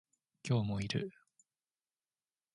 今日もいる